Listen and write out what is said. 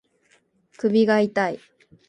首が痛い